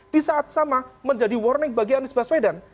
di saat sama menjadi warning bagi anies baswedan